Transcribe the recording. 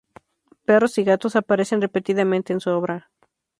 Perros y gatos aparecen repetidamente en su obra.